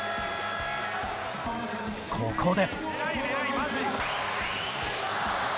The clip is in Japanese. ここで。